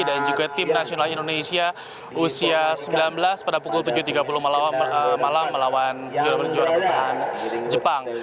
dan juga timnas indonesia usia sembilan belas pada pukul tujuh tiga puluh malam melawan juara juara pertahanan jepang